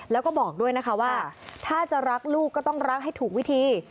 แล้วก็บอกด้วยนะคะว่าถ้าจะรักลูกก็ต้องรักให้ถูกวิธี